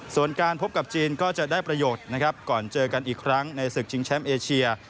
ส่วนการพบกับจีนก็จะได้ประโยชน์นะครับก่อนเจอกันอีกครั้งในศึกชิงแชมป์เอเชีย